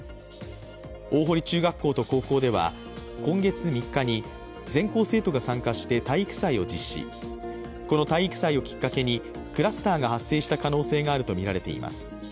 大濠中学校と高校では今月３日に全校生徒が参加して体育祭を実施、この体育祭をきっかけにクラスターが発生した可能性があるとみられています。